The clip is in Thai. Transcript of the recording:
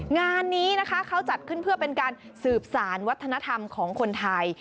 งานนี้นะคะเขาจัดขึ้นเพื่อเป็นการสืบสารวัฒนธรรมของคนไทย